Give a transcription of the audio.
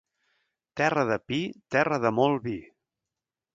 Terra de pi, terra de molt vi.